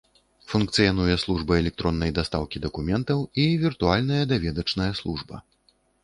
Функцыянуе служба электроннай дастаўкі дакументаў і віртуальная даведачная служба.